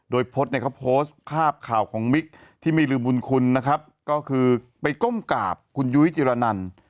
โดยพจน์เนี่ยเขาโพสต์ภาพข่าวของมิกที่ไม่ลืมบุญคุณนะครับก็คือไปก้มกราบคุณยุ้ยจิรนัน